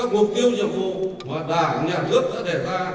các mục tiêu nhiệm vụ mà đảng nhà nước đã đề ra